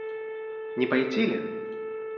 Не пойти ли?